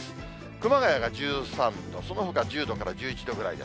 熊谷１３度、そのほか１０度から１１度ぐらいです。